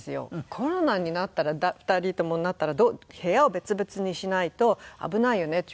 コロナになったら２人ともなったら部屋を別々にしないと危ないよねっていう事になって。